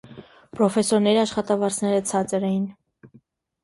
Պրոֆեսորների աշխատավարձերը ցածր էին։